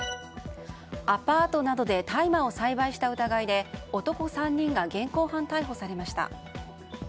アパートなどで大麻を栽培した疑いで男３人が現行犯逮捕されました。